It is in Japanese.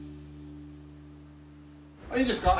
いいですか？